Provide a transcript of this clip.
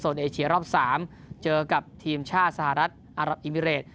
เอเชียรอบ๓เจอกับทีมชาติสหรัฐอารับอิมิเรต